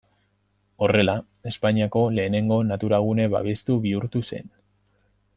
Horrela, Espainiako lehenengo naturagune babestu bihurtu zen.